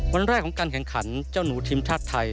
วันแรกของการแข่งขันเจ้าหนูทีมชาติไทย